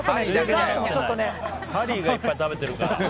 ハリーがいっぱい食べてるけど。